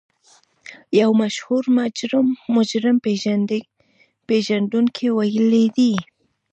يو مشهور مجرم پېژندونکي ويلي دي.